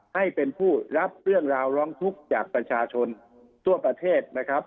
ให้เป็นผู้รับเรื่องราวร้องทุกข์จากประชาชนทั่วประเทศนะครับ